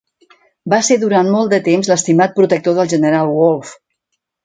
Va ser durant molt de temps l'estimat protector del general Wolfe.